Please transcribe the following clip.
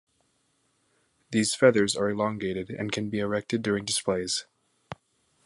These feathers are elongated and can be erected during displays.